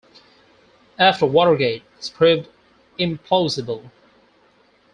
After Watergate, this proved implausible.